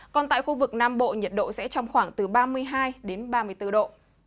còn tại khu vực nam bộ nhiệt độ sẽ trong khoảng từ ba mươi hai đến ba mươi bốn độ